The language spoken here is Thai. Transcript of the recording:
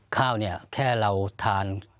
ข้าวเนี่ยแค่เราทาน